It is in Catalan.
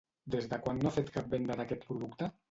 Des de quan no ha fet cap venda d'aquest producte?